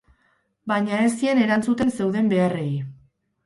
Baina ez zien erantzuten zeuden beharrei.